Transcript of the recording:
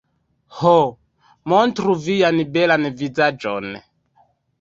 Ho... montru vian belan vizaĝon